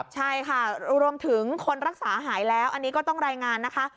ใช่ค่ะรวมถึงคนรักษาหายแล้วอันนี้ก็ต้องรายงานนะคะ